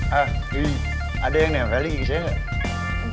hah ada yang neveli gigi saya gak